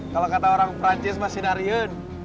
kalau kata orang prancis masinarion